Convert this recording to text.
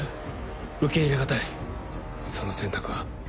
受け入れ難いその選択は。